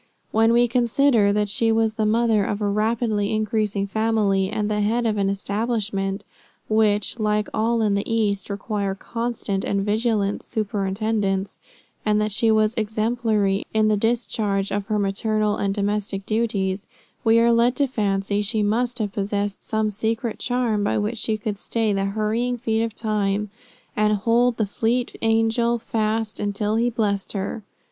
When we consider that she was the mother of a rapidly increasing family; and the head of an establishment, which like all in the East require constant and vigilant superintendence; and that she was exemplary in the discharge of her maternal and domestic duties, we are led to fancy she must have possessed some secret charm by which she could stay the hurrying feet of time; and "hold the fleet angel fast until he blessed her."